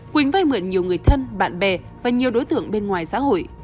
quỳnh vay mượn nhiều người thân bạn bè và nhiều đối tượng bên ngoài xã hội